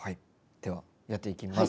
ではやっていきます。